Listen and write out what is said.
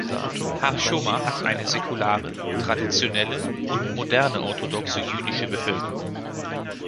Har Choma hat eine säkulare, traditionelle und moderne orthodoxe jüdische Bevölkerung.